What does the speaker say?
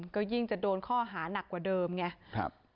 ก็ยิ่งจะโดนข้อหานักกว่าเดิมไง